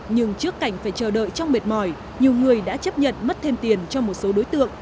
nhưng trước cảnh phải chờ đợi trong mệt mỏi nhiều người đã chấp nhận mất thêm tiền cho một số đối tượng